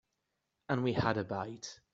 And we had a bite.